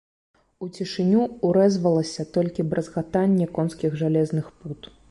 У цішыню ўрэзвалася толькі бразгатанне конскіх жалезных пут.